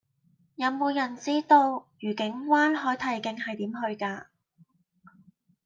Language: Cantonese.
有無人知道愉景灣海堤徑係點去㗎